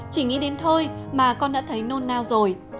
chỉ nghĩ đến thôi mà con đã thấy nôn nao rồi